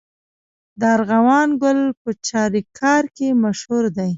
د ارغوان ګل په چاریکار کې مشهور دی.